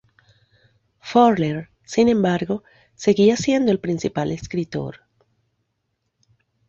Furler, sin embargo, seguía siendo el principal escritor.